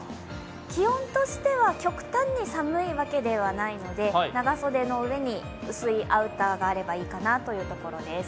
気温としては極端に寒いわけではないので、長袖の上に薄いアウターがあればいいかなというところです。